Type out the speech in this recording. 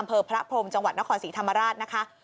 อำเภอพระพรมจังหวัดนครศรีธรรมราชนะคะ